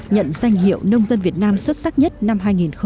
nhận danh hiệu nông dân việt nam xuất sắc nhất năm hai nghìn một mươi chín